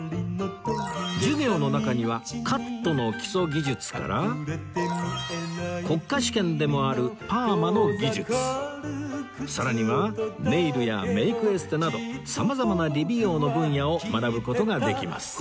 授業の中にはカットの基礎技術から国家試験でもあるパーマの技術さらにはネイルやメイクエステなど様々な理美容の分野を学ぶ事ができます